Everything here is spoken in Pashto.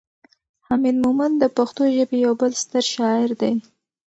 حمید مومند د پښتو ژبې یو بل ستر شاعر دی.